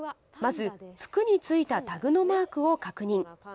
まず服についたタグのマークを確認。